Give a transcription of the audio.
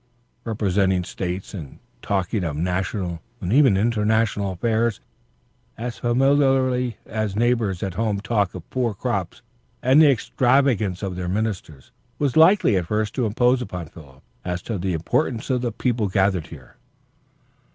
Representing states and talking of national and even international affairs, as familiarly as neighbors at home talk of poor crops and the extravagance of their ministers, was likely at first to impose upon Philip as to the importance of the people gathered here.